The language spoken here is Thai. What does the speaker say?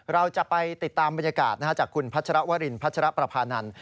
เราจะไปติดตามบรรยากาศจากคุณพัชรวรินพัชรประพานันทร์